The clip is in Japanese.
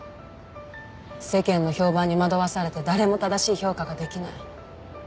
世間の評判に惑わされて誰も正しい評価ができない。